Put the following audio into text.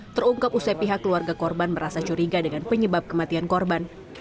terungkap usai pihak keluarga korban merasa curiga dengan penyebab kematian korban